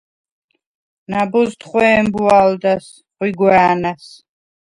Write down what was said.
ნა̈ბოზდ ხვე̄მბვა̄ლდა̈ს, ხვიგვა̄̈ნა̈ს.